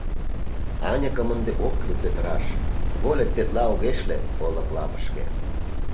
Аньыкым ынде ок кӱл петыраш Вольык тетла огеш лек олык лапышке.